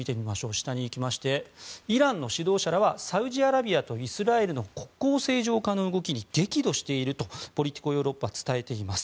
下に行きましてイランの指導者らはサウジアラビアとイスラエルの国交正常化の動きに激怒しているとポリティコ・ヨーロッパは伝えています。